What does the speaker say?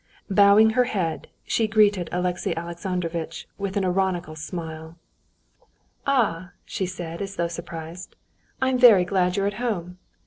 Bowing her head, she greeted Alexey Alexandrovitch with an ironical smile. "Ah!" she said, as though surprised. "I'm very glad you're at home.